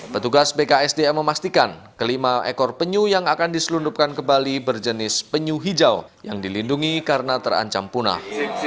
petugas bksdam memastikan kelima ekor penyu yang akan diselundupkan ke bali berjenis penyu hijau yang dilindungi karena terancam punah